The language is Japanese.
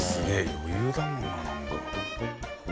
余裕だもんななんか。